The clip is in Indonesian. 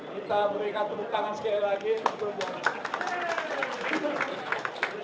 kita berikan tepuk tangan sekali lagi untuk dia